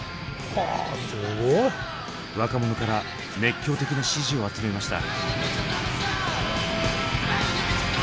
若者から熱狂的な支持を集めました。